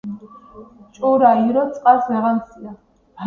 ჭურა ირო წყარს ვეეღანსია.